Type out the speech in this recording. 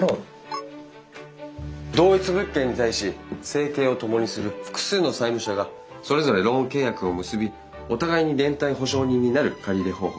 同一物件に対し生計を共にする複数の債務者がそれぞれローン契約を結びお互いに連帯保証人になる借り入れ方法です。